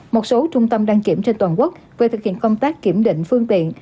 một số trung tâm đăng kiểm trên toàn quốc về thực hiện công tác kiểm định phương tiện